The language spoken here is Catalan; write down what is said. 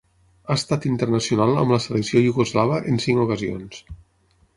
Ha estat internacional amb la selecció iugoslava en cinc ocasions.